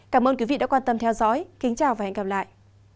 cảm ơn quý vị đã quan tâm theo dõi kính chào và hẹn gặp lại